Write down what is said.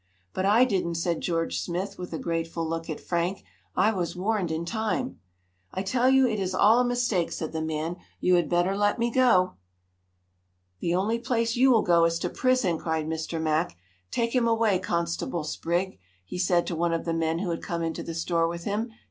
"But I didn't," said George Smith with a grateful look at Frank. "I was warned in time." "I tell you it is all a mistake," said the man. "You had better let me go." "The only place you will go to is prison," cried Mr. Mack. "Take him away, Constable Sprigg," he said to one of the men who had come into the store with him.